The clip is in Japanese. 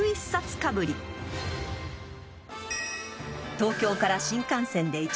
［東京から新幹線で１時間半］